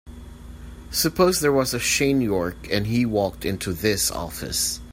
Suppose there was a Shane York and he walked into this office.